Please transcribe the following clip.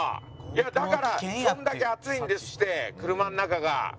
いやだからそんだけ暑いんですって車の中が。